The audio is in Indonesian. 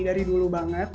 dari dulu banget